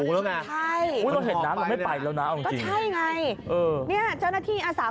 แล้วรถมันก็เลยโดนน้ำพัก